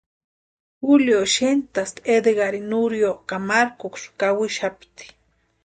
Julio xentasti Edgarini Nurio ka markuksï kawixapti.